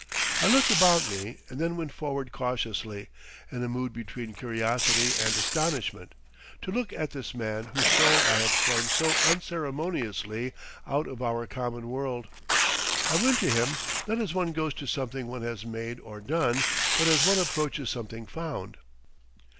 I looked about me and then went forward cautiously, in a mood between curiosity and astonishment, to look at this man whose soul I had flung so unceremoniously out of our common world. I went to him, not as one goes to something one has made or done, but as one approaches something found.